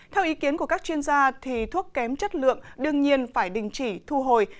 theo ý kiến của các chuyên gia thuốc kém chất lượng đương nhiên phải đình chỉ thu hồi